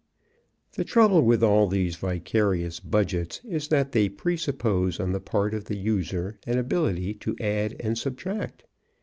The trouble with all these vicarious budgets is that they presuppose, on the part of the user, an ability to add and subtract.